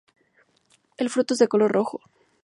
El fruto es de color rojo.